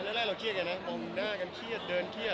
แล้วแรกเราเครียดนะตรงหน้ากันเครียดเดินเครียด